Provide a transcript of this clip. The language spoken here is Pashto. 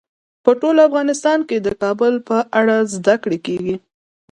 په ټول افغانستان کې د کابل په اړه زده کړه کېږي.